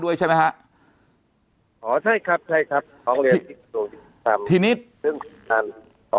ด้วยใช่ไหมฮะอ๋อใช่ครับใช่ครับร้องเรียนที่ที่นี่อ๋อ